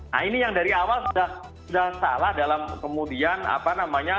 nah ini yang dari awal sudah salah dalam kemudian apa namanya